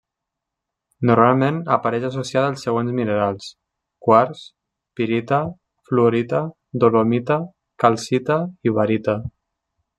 Normalment apareix associada als següents minerals: quars, pirita, fluorita, dolomita, calcita i barita.